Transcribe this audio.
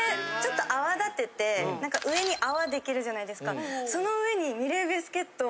なんか上に泡できるじゃないですか。